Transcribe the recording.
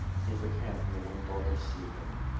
In the camp no one thought of sleep ing.